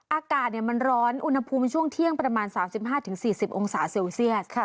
อากาศมันร้อนอุณหภูมิช่วงเที่ยงประมาณ๓๕๔๐องศาเซลเซียส